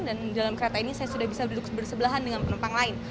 dan dalam kereta ini saya sudah bisa bersebelahan dengan penumpang lain